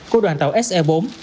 của đoàn tàu se bốn